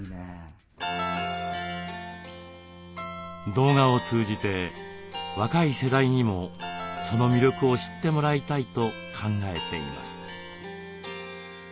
動画を通じて若い世代にもその魅力を知ってもらいたいと考えています。